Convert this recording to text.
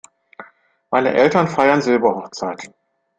Meine Eltern feiern Silberhochzeit.